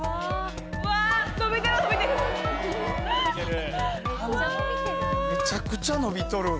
めちゃくちゃ伸びとる。